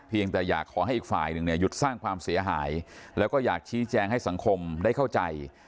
แต่อยากขอให้อีกฝ่ายหนึ่งเนี่ยหยุดสร้างความเสียหายแล้วก็อยากชี้แจงให้สังคมได้เข้าใจ